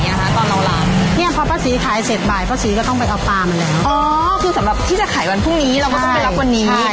น้ำเปล่าใส่ตระมางจ๊ะปะซี